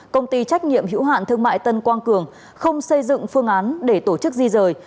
công ty trách nhiệm hữu hạn thương mại tân quang cường không xây dựng phương án để tổ chức di rời